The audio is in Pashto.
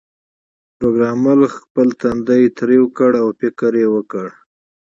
پروګرامر خپل تندی ترېو کړ او فکر یې وکړ